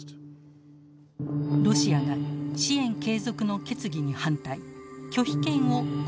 ロシアが支援継続の決議に反対拒否権を行使したのです。